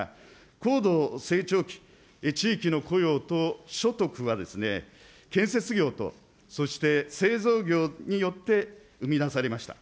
高度成長期、地域の雇用と所得は、建設業と、そして製造業によって生み出されました。